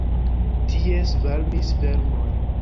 Tie svarmis vermoj.